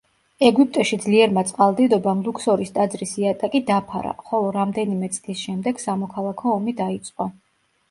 ეგვიპტეში ძლიერმა წყალდიდობამ ლუქსორის ტაძრის იატაკი დაფარა, ხოლო რამდენიმე წლის შემდეგ სამოქალაქო ომი დაიწყო.